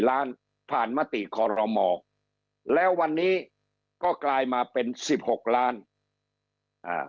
ล้านผ่านมติคอรมอแล้ววันนี้ก็กลายมาเป็นสิบหกล้านอ่า